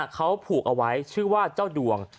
เขาผูกเอาไว้ชื่อว่าเจ้าดวง